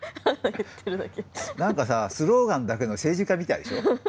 何かさあスローガンだけの政治家みたいでしょ。